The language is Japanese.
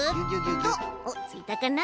おっついたかな？